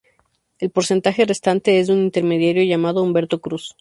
El porcentaje restante es de un intermediario llamado Humberto Cruz.